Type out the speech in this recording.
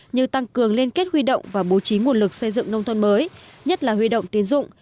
như tăng cường liên kết huy động và bố trí nguồn lực xây dựng nông thôn mới nhất là huy động tiến dụng